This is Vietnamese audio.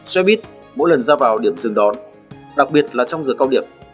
xe buýt mỗi lần ra vào điểm dừng đón đặc biệt là trong giờ cao điểm